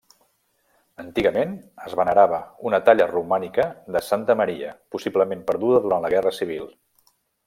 Antigament es venerava una talla romànica de Santa Maria possiblement perduda durant la guerra civil.